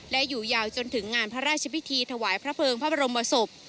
และอยู่ยาวจนถึงงานพระราชพิธีถวายพระเภิงพระบรมศพ